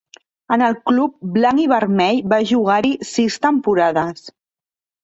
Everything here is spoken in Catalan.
En el club blanc-i-vermell va jugar-hi sis temporades.